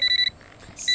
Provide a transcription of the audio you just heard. kita kembali ke rumahnya